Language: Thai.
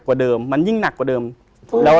คุณด้านหาของเขา